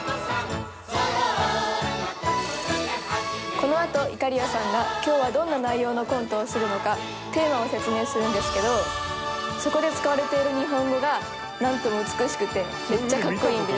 「このあといかりやさんが今日はどんな内容のコントをするのかテーマを説明するんですけどそこで使われている日本語がなんとも美しくてめっちゃ格好いいんです」